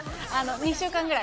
２週間ぐらい。